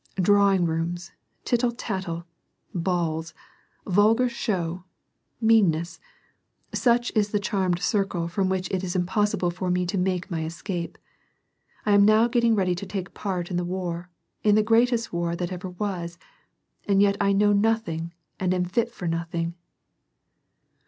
Drawing rooms, tittle tattle, balls, vulgar show, meanness, — such is the charmed circle from which it is impossible for me to make my escape. I am now getting ready to take part in the war, in tlie greatest war that ever was, and yet I know nothing and am fit for notliinj